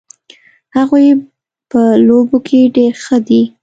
هغوی په لوبو کې ډېر ښه دي